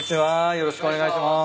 よろしくお願いします。